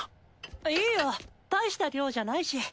いいよ大した量じゃないし。